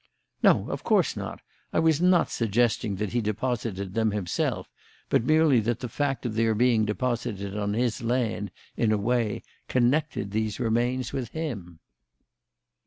"No, of course not. I was not suggesting that he deposited them himself, but merely that the fact of their being deposited on his land, in a way, connected these remains with him."